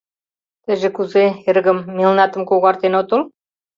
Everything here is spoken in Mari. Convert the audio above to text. Тыйже кузе, эргым, мелнатым когартен отыл?